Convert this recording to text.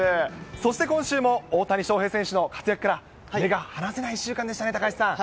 そして、今週も大谷翔平選手の活躍から目が離せない１週間でしたね、高橋さん。